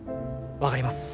わかります！